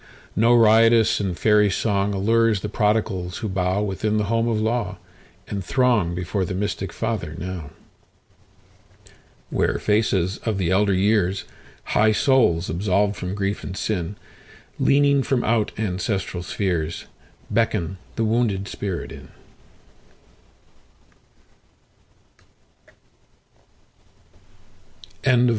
No riotous and fairy songAllures the prodigals who bowWithin the home of law, and throngBefore the mystic Father now, Where faces of the elder years, High souls absolved from grief and sin, Leaning from out ancestral spheresBeckon the wounded spirit in.